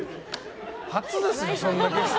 初ですよ、そんなゲスト。